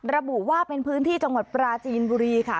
ระบุว่าเป็นพื้นที่จังหวัดปราจีนบุรีค่ะ